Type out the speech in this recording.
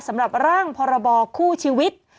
สำหรับร่างพรบคู่ชีวิต